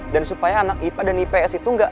dan supaya anak ipa dan ips itu nietane sing korupsi lagi